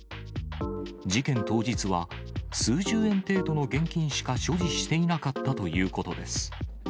事件当日は、数十円程度の現金しか所持していなかったということです。